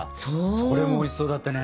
それもおいしそうだったね。